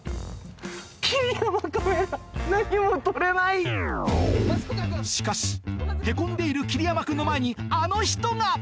クソ！しかしヘコんでいる桐山君の前にあの人が！